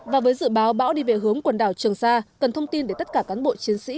và với dự báo bão đi về hướng quần đảo trường sa cần thông tin để tất cả cán bộ chiến sĩ